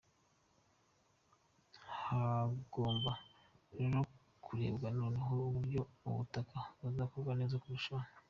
Hagomba rero kurebwa noneho uburyo ubutaha byazakorwa neza kurushaho.